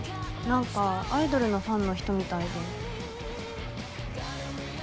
なんかアイドルのファンの人みたいで。